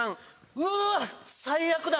うわ最悪だ！